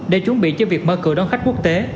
để chuẩn bị cho việc mở cửa đón khách quốc tế